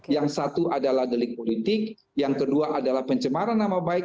yang satu adalah delik politik yang kedua adalah pencemaran nama baik